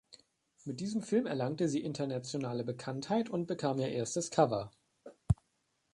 Mit diesem Film erlangte sie internationale Bekanntheit und bekam ihr erstes Cover.